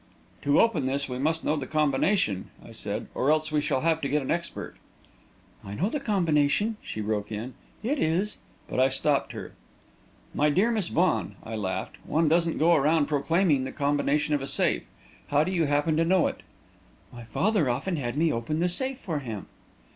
"To open this, we must know the combination," I said; "or else we shall have to get an expert." "I know the combination," she broke in; "it is ..." But I stopped her. "My dear Miss Vaughan," I laughed, "one doesn't go around proclaiming the combination of a safe. How do you happen to know it?" "My father often had me open the safe for him."